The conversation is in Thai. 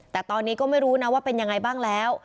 แต่ตอนนี้ก็ไม่รู้นะว่าเป็นยังไงบ้างแล้ว